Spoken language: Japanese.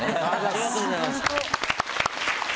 ありがとうございます！